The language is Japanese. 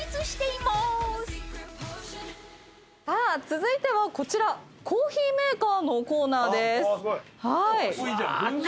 さあ続いてはこちらコーヒーメーカーのコーナーです。